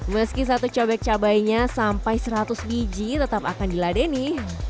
meski satu cobek cabainya sampai seratus biji tetap akan diladeni